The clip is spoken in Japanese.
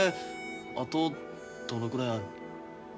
あとどのぐらいある？